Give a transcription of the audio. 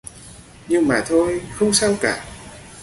Nhưng mà thôi không sao cả